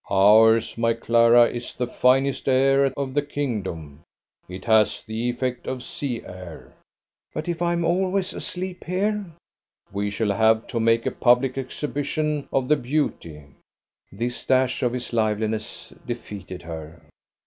"Ours, my Clara, is the finest air of the kingdom. It has the effect of sea air." "But if I am always asleep here?" "We shall have to make a public exhibition of the Beauty." This dash of his liveliness defeated her.